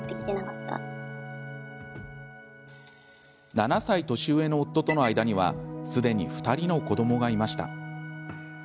７歳年上の夫との間にはすでに２人の子どもがいました。